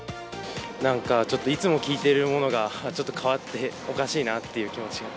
なんかちょっといつも聞いてるものがちょっと変わって、おかしいなっていう気持ち。